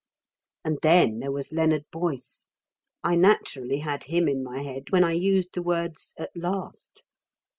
And then there was Leonard Boyce. I naturally had him in my head, when I used the words "at last."